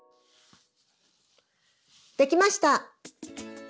できました。